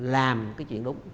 làm cái chuyện đúng